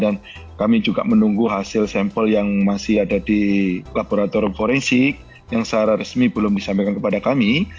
dan kami juga menunggu hasil sampel yang masih ada di laboratorium forensik yang secara resmi belum disampaikan kepada kami